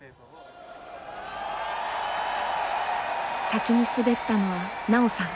先に滑ったのは奈緒さん。